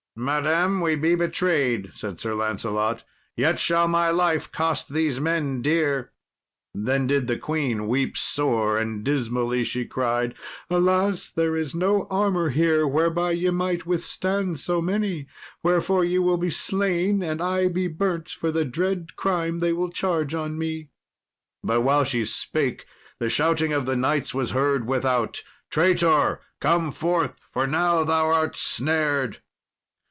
"Madam, we be betrayed," said Sir Lancelot; "yet shall my life cost these men dear." Then did the queen weep sore, and dismally she cried, "Alas! there is no armour here whereby ye might withstand so many; wherefore ye will be slain, and I be burnt for the dread crime they will charge on me." But while she spake the shouting of the knights was heard without, "Traitor, come forth, for now thou art snared!"